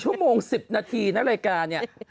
๑ชั่วโมง๑๐นาทีในรายการ